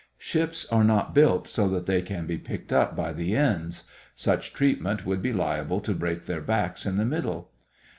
Ships are not built so that they can be picked up by the ends. Such treatment would be liable to break their backs in the middle.